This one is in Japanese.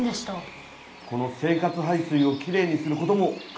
この生活排水をきれいにすることも課題なんだよ。